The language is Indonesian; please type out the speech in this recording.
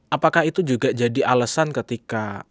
apakah itu juga jadi alasan ketika